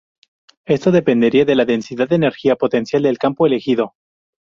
Esto dependería de la densidad de energía potencial del campo "elegido".